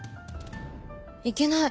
いけない。